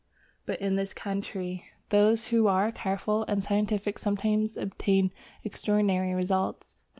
But in this country those who are careful and scientific sometimes obtain extraordinary results.